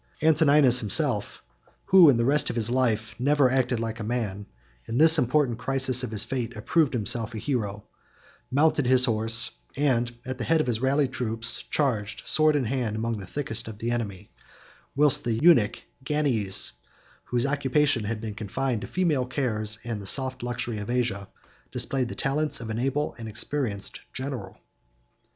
Antoninus himself, who, in the rest of his life, never acted like a man, in this important crisis of his fate, approved himself a hero, mounted his horse, and, at the head of his rallied troops, charged sword in hand among the thickest of the enemy; whilst the eunuch Gannys, 491 whose occupations had been confined to female cares and the soft luxury of Asia, displayed the talents of an able and experienced general.